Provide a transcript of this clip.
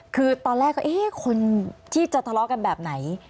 คือตอนแรกก็เอ๊ะคนที่จะทะเลาะกันแบบไหน